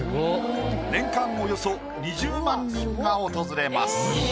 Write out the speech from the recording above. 年間およそ２０万人が訪れます。